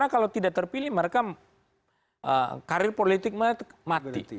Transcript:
karena kalau tidak terpilih mereka karir politik mati